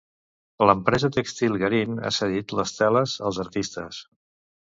L'empresa tèxtil Garín ha cedit les teles als artistes.